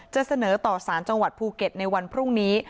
เสนอต่อสารจังหวัดภูเก็ตในวันพรุ่งนี้